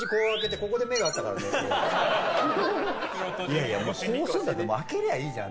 いやいや、こうするなら開けりゃいいじゃん！